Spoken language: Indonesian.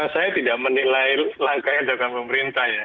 saya tidak menilai langkah yang dilakukan pemerintah ya